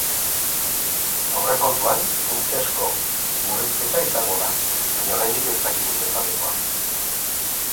Aurrekontuan funtsezko murrizketa izango da, baina oraindik ez dakigu zenbatekoa.